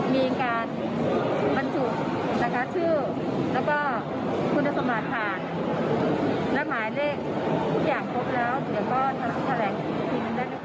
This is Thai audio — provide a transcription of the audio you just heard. มีอิงการบรรจุนะคะชื่อแล้วก็คุณสมัครภาคและหมายเลขทุกอย่างครบแล้วเดี๋ยวก็แถลงทีมันได้ไหมครับ